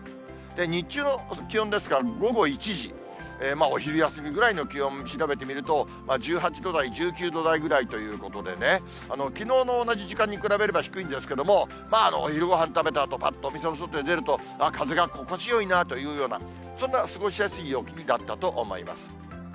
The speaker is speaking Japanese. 日中の気温ですが午後１時、お昼休みぐらいの気温を調べてみると、１８度台、１９度台ぐらいということでね、きのうの同じ時間に比べれば低いんですけれども、まあお昼ごはん食べたあと、ぱっとお店の外に出ると、あっ、風が心地よいなというような、そんな過ごしやすい陽気になったと思います。